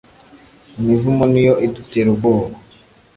imivumo niyo idutera ubwoba